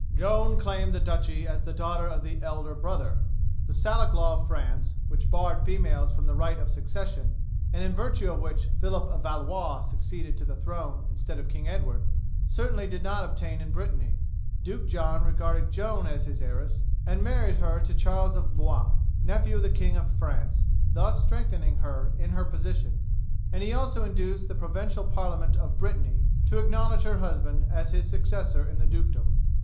"Joan claimed the duchy as the daughter of the elder brother. The Salic law of France, which barred females from the right of succession, and in virtue of which Philip of Valois succeeded to the throne instead of King Edward, certainly did not obtain in Brittany. Duke John regarded Joan as his heiress, and married her to Charles of Blois, nephew of the King of France, thus strengthening her in her position; and he also induced the provincial parliament of Brittany to acknowledge her husband as his successor in the dukedom.